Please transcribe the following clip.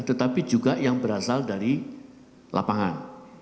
tetapi juga yang berasal dari lapangan